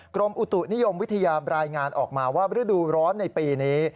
กรมอุตุนิยมวิทยารายงานออกมาว่าฤดูร้อนในปีนี้